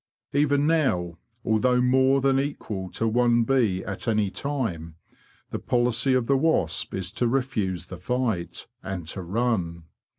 Even now, although more than equal to one bee at any time, the policy of the wasp is to refuse the fight, and to run.